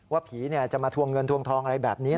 ผีจะมาทวงเงินทวงทองอะไรแบบนี้